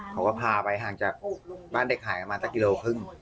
เขาก็พาไปห่างจากบ้านเด็กหายประมาณสักกิโลครึ่ง